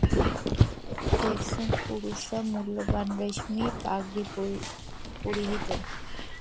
দেখছেন, পুরুষরা মূল্যবান রেশমী পাগড়ী পরিহিত।